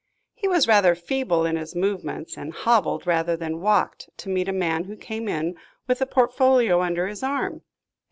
He was rather feeble in his movements and hobbled rather than walked to meet a man who came in with a portfolio under his arm.